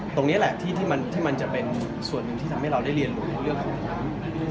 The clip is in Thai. ตรงนี้แหละที่มันจะเป็นส่วนหนึ่งที่ทำให้เราได้เรียนรู้ในเรื่องของน้ำ